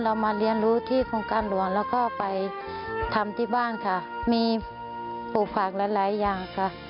มาเรียนรู้ที่โครงการหลวงแล้วก็ไปทำที่บ้านค่ะมีปลูกผักหลายหลายอย่างค่ะ